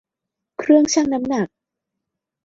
เครื่องชั่งน้ำหนัก